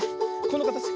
このかたち。